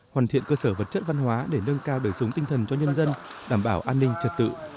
hoàn thiện cơ sở vật chất văn hóa để nâng cao đời sống tinh thần cho nhân dân đảm bảo an ninh trật tự